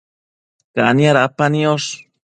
Cania dapa niosh